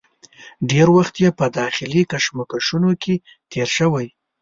ډېر وخت یې په داخلي کشمکشونو کې تېر شوی.